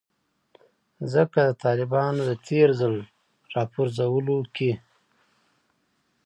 ځکه د طالبانو د تیر ځل راپرځولو کې